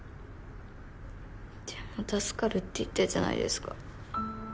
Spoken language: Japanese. でも助かるって言ったじゃないですか。